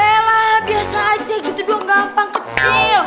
yaelah biasa aja gitu doang gampang kecil